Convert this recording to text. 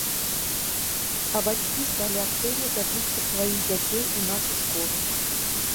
А бацькі сталі актыўна запісваць сваіх дзяцей у нашу школу.